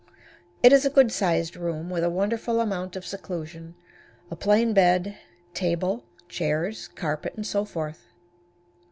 It is a good sized room, with a wonderful amount of seclusion, a plain bed, table, chairs, carpet and so forth.